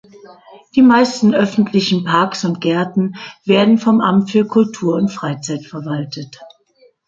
Die meisten öffentlichen Paks und Gärten werden vom Amt für Kultur und Freizeit verwaltet.